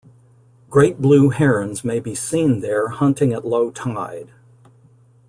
Great blue herons may be seen there hunting at low tide.